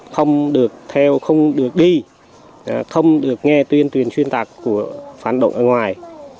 không được theo không được đi không được nghe tuyên tuyển chuyên tạc của phán động ở ngoài